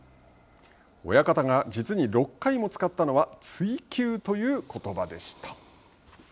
親方が実に６回も使ったのは追求ということばでした。